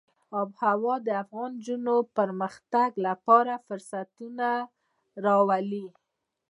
آب وهوا د افغان نجونو د پرمختګ لپاره فرصتونه راولي.